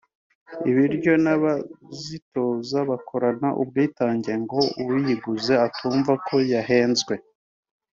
ibiryo n’abazitoza bakorana ubwitange ngo uyiguze atumva ko yahenzwe